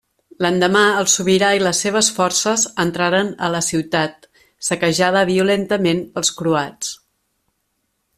L'endemà, el sobirà i les seves forces entraren a la ciutat, saquejada violentament pels croats.